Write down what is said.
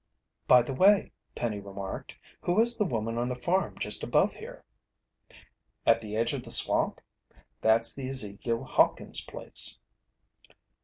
"By the way," Penny remarked, "who is the woman on the farm just above here?" "At the edge of the swamp? That's the Ezekiel Hawkins' place."